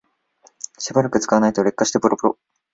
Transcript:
しばらく使わないと劣化してボロボロ